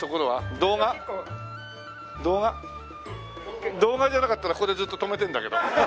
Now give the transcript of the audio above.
動画じゃなかったらここでずーっと止めてるんだけど。